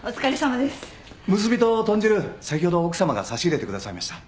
むすびと豚汁先ほど奥様が差し入れてくださいました。